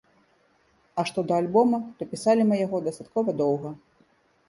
А што да альбома, то пісалі мы яго дастаткова доўга.